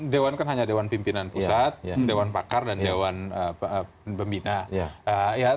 dewan kan hanya dewan pimpinan pusat dewan pakar dan dewan pembina